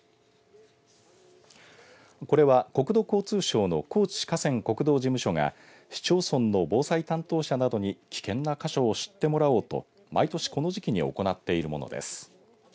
これは国土交通省の高知河川国道事務所が市町村の防災担当者などに危険な箇所を知ってもらおうと毎年この時期に行っているものです。